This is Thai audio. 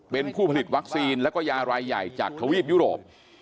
เป็นผู้ผลิตวัคซีนแล้วก็ยารายใหญ่จากทวีปยุโรป